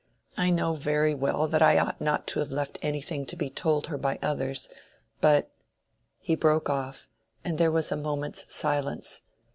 I know very well that I ought not to have left anything to be told her by others, but—" He broke off, and there was a moment's silence.